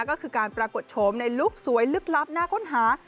ก็คือการปรากฏโฉมในลุคสวยลึกลับน่าค้นหา